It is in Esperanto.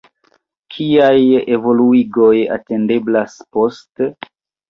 Kiaj evoluigoj atendeblas poste?